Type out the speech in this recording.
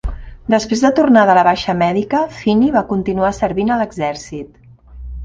Després de tornar de la baixa mèdica, Finney va continuar servint a l'exèrcit.